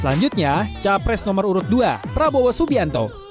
selanjutnya capres nomor urut dua prabowo subianto